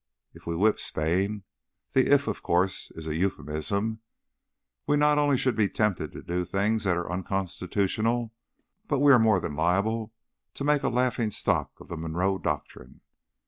If we whip Spain the 'if,' of course, is a euphemism we not only shall be tempted to do things that are unconstitutional, but we are more than liable to make a laughing stock of the Monroe doctrine.